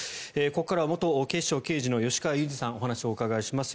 ここからは元警視庁刑事の吉川祐二さんにお話をお伺いします。